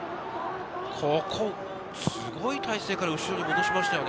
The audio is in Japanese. ここ、すごい体勢から後ろに戻しましたよね。